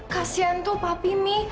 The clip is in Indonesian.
kasian tuh papi mi